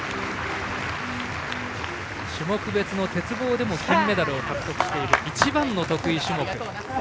種目別の鉄棒でも金メダルを獲得している一番の得意種目。